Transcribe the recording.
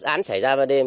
nếu dự án xảy ra vào đêm